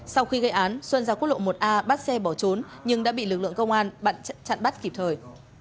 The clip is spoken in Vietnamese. sau khi gây án xuân ra quốc lộ một a bắt xe bỏ trốn nhưng đã bị lực lượng công an chặn bắt kịp thời